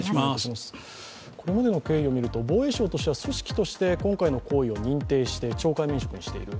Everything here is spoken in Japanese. これまでの経緯を見ると、防衛省としては組織として今回の行為を認定して懲戒免職もしている。